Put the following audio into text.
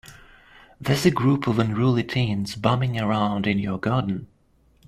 There's a group of unruly teens bumming around in your garden.